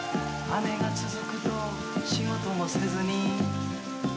「雨がつづくと仕事もせずに」